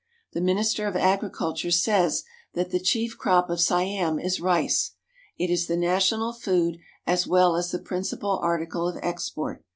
The Minister of Agriculture says that the chief crop of Siam is rice. It is the national food as well as the principal article of export.